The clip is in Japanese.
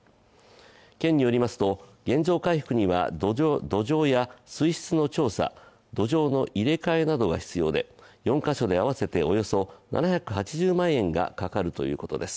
県によりますと原状回復には土壌や水質の調査、土壌の入れ替えなどが必要で４か所で合わせておよそ７８０万円がかかるということです。